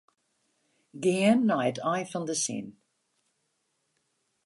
Gean nei it ein fan de sin.